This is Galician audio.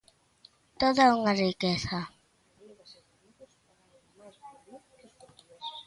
Toda unha riqueza.